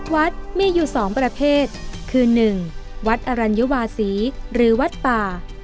วัดมีอยู่๒ประเภทคือ๑วัดอรัญวาศีหรือวัดป่า